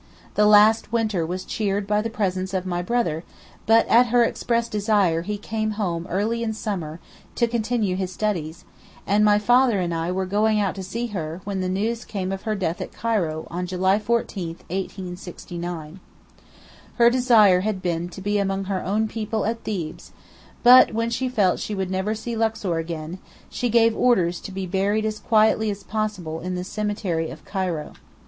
The last winter was cheered by the presence of my brother, but at her express desire he came home in early summer to continue his studies, and my father and I were going out to see her, when the news came of her death at Cairo on July 14, 1869. Her desire had been to be among her 'own people' at Thebes, but when she felt she would never see Luxor again, she gave orders to be buried as quietly as possible in the cemetery at Cairo.